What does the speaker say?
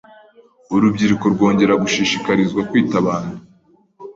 urubyiruko rwongera gushishikarizwa kwita abantu